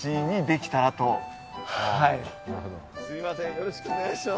よろしくお願いします